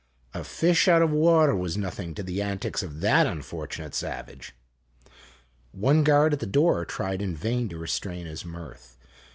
A fish out of water was nothing to the antics of that unfortunate savage. One guard at the door tried in vain to restrain his mirth.